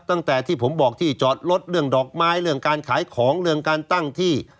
ตั้งแต่ที่ผมบอกที่จอดรถเรื่องดอกไม้เรื่องการขายของเรื่องการตั้งที่